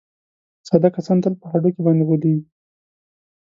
ساده کسان تل په هډوکي باندې غولېږي.